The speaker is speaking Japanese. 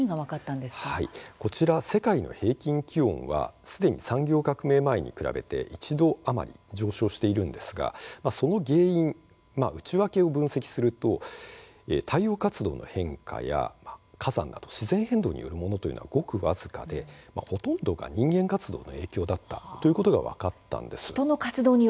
世界の平均気温はすでに産業革命前に比べて１度余り上昇しているんですがその原因、内訳を分析すると太陽活動の変化や火山など自然変動によるものはごく僅かでほとんどが人間活動の影響だったことが分かったんです。